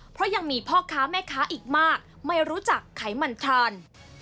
เพราะยังมีพ่อค้าแม่ค้าอีกมากไม่รู้จักไขมันทาน